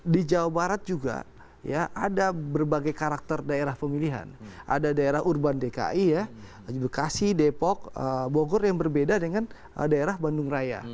di jawa barat juga ya ada berbagai karakter daerah pemilihan ada daerah urban dki ya bekasi depok bogor yang berbeda dengan daerah bandung raya